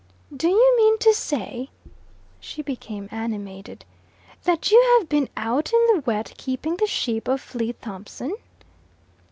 "Do you mean to say" she became animated "that you have been out in the wet keeping the sheep of Flea Thompson?"